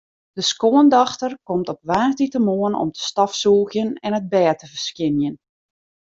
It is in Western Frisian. De skoandochter komt op woansdeitemoarn om te stofsûgjen en it bêd te ferskjinjen.